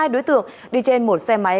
hai đối tượng đi trên một xe máy